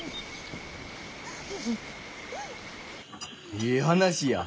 ええ話や。